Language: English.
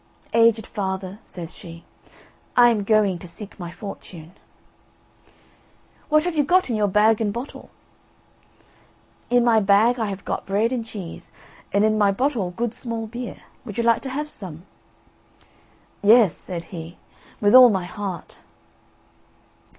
"Aged father," says she, "I am going to seek my fortune." "What have you got in your bag and bottle?" "In my bag I have got bread and cheese, and in my bottle good small beer. Would you like to have some?" "Yes," said he, "with all my heart."